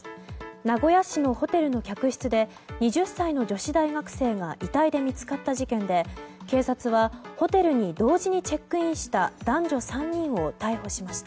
名古屋市のホテルの客室で２０歳の女子大学生が遺体で見つかった事件で警察はホテルに同時にチェックインした男女３人を逮捕しました。